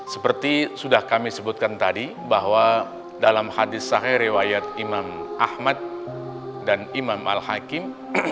seperti sudah kami sebutkan tadi bahwa dalam hadis sahe riwayat imam ahmad dan imam al hakim